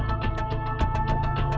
kau gak sudah tahu